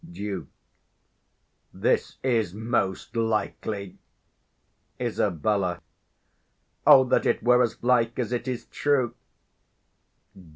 Duke. This is most likely! Isab. O, that it were as like as it is true!